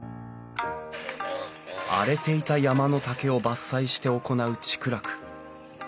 荒れていた山の竹を伐採して行う竹楽。